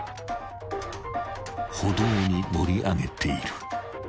［歩道に乗り上げている］